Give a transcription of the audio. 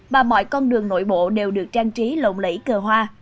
mà mọi con đường nội bộ đều được trang trí lộn lẫy cờ hoa